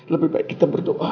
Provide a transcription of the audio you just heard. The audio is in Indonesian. lebih baik kita berdoa